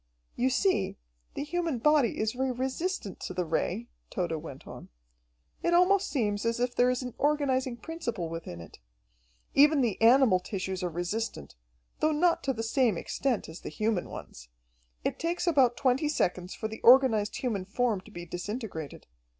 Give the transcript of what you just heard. "You see, the human body is very resistant to the Ray," Tode went on. "It almost seems as if there is an organizing principle within it. Even the animal tissues are resistant, though not to the same extent as the human ones. It takes about twenty seconds for the organized human form to be disintegrated.